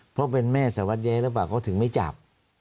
เพราะเป็นแม่สารวัสแย้หรือเปล่าเขาถึงไม่จับ